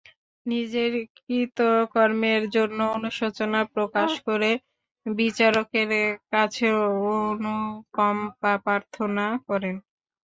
নিজের কৃতকর্মের জন্য অনুশোচনা প্রকাশ করে বিচারকের কাছে অনুকম্পা প্রার্থনা করেন।